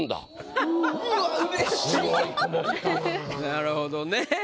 なるほどね。